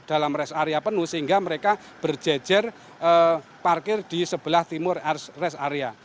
mereka harus beristirahat di dalam rest area penuh sehingga mereka berjejer parkir di sebelah timur rest area